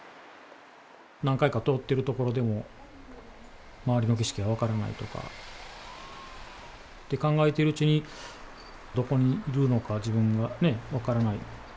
何回か通ってる所でも、周りの景色が分からないとか、って考えているうちに、どこにいるのか、自分がね、分からない。